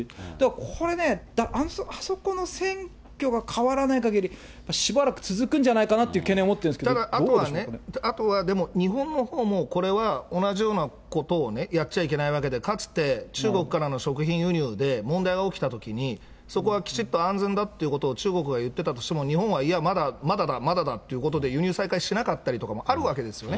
これね、あそこの選挙が変わらないかぎり、しばらく続くんじゃないかなという懸念を持ってるんですけどどうただあとはね、でも、日本のほうもこれは、同じようなことをね、やっちゃいけないわけで、かつて中国からの食品輸入で問題が起きたときに、そこはきちっと安全だということを中国が言ってたとしても、日本はいや、まだだ、まだだ、まだだということで輸入再開しなかったりとかもあるわけですよね。